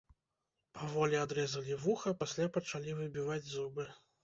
Паволі адрэзалі вуха, пасля пачалі выбіваць зубы.